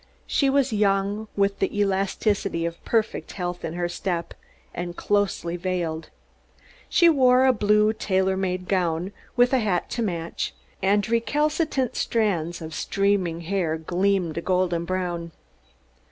She was young, with the elasticity of perfect health in her step; and closely veiled. She wore a blue tailor made gown, with hat to match; and recalcitrant strands of hair gleamed a golden brown.